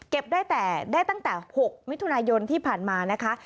ได้ตั้งแต่๖มิถุนายนที่ผ่านมานะคะ